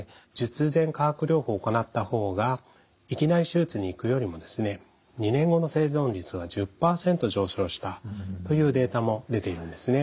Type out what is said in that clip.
術前化学療法を行った方がいきなり手術にいくよりもですね２年後の生存率が１０％上昇したというデータも出ているんですね。